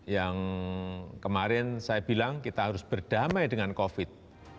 yang kemarin saya bilang kita harus berdamai dengan covid